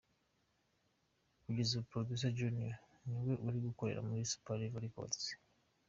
Kugeza ubu, Producer Junior ni we uri gukorera muri Super Level Records.